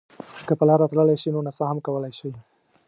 که په لاره تللی شئ نو نڅا هم کولای شئ.